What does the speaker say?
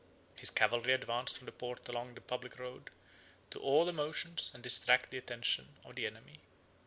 His cavalry advanced from the port along the public road, to awe the motions, and distract the attention of the enemy.